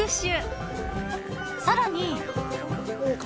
［さらに］